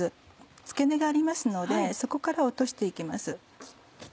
付け根がありますのでそこから落として行きます。